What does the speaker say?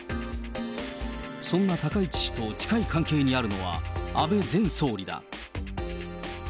そんな高市氏と近い関係にあるのは、安倍前総理だ。